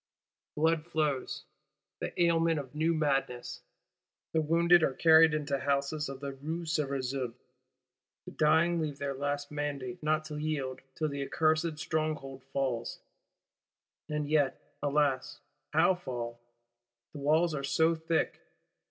Blood flows, the aliment of new madness. The wounded are carried into houses of the Rue Cerisaie; the dying leave their last mandate not to yield till the accursed Stronghold fall. And yet, alas, how fall? The walls are so thick!